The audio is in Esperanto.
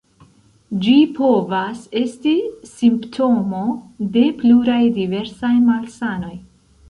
Ĝi povas esti simptomo de pluraj diversaj malsanoj.